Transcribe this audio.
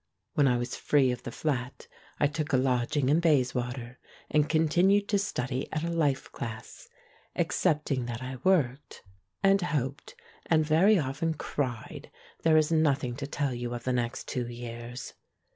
When I was free of the flat I took a lodging in Bayswater, and continued to study at a life class. Excepting that I worked. 202 THE MAN WHO UNDERSTOOD WOMEN and hoped, and very often cried, there is nothing to tell you of the next two years.